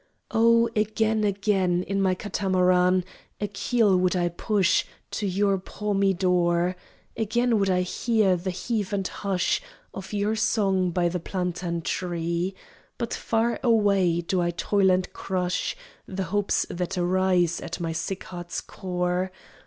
O again, again, In my katamaran A keel would I push To your palmy door! Again would I hear The heave and hush Of your song by the plantain tree. But far away Do I toil and crush The hopes that arise At my sick heart's core.